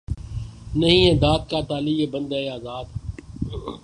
نہیں ہے داد کا طالب یہ بندۂ آزاد